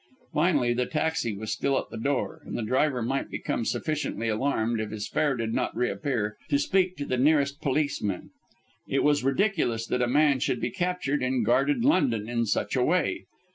Finally, the taxi was still at the door, and the driver might become sufficiently alarmed if his fare did not reappear to speak to the nearest policeman. It was ridiculous that a man should be captured in guarded London in such a way.